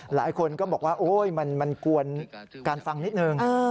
หลายคนก็บอกว่าโอ๊ยมันกวนการฟังนิดนึง